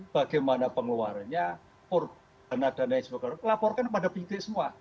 bagaimana pengeluarannya korb dana dana laporkan kepada penyitik semua